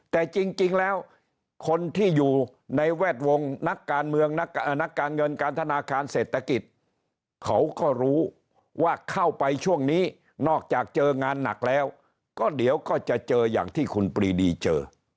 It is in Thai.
แต่จริงแล้วคนที่อยู่ในแวดวงนักการเมืองนักการเงินการธนาคารเศรษฐกิจเขาก็รู้ว่าเข้าไปช่วงนี้นอกจากเจองานหนักแล้วก็เดี๋ยวก็จะเจออย่างที่คุณปรีดีเจอ